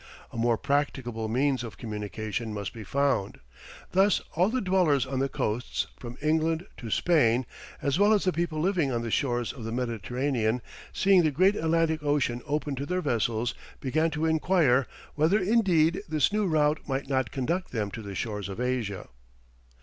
A more practicable means of communication must be found. Thus all the dwellers on the coasts, from England to Spain, as well as the people living on the shores of the Mediterranean, seeing the great Atlantic ocean open to their vessels, began to inquire, whether indeed this new route might not conduct them to the shores of Asia.